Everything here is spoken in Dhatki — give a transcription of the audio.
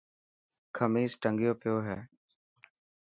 کميس ٽنگيو پيو هي.